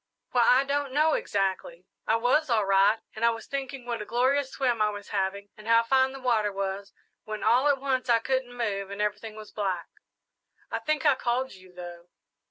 "Why, I don't know exactly. I was all right, and I was thinking what a glorious swim I was having and how fine the water was, when all at once I couldn't move, and everything was black. I think I called you, though."